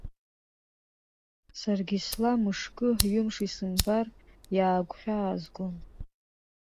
Саргьы сла мышкы, ҩымш исымбар иаагәхьаазгон.